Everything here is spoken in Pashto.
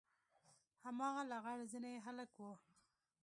هماغه لغړ زنى هلک و.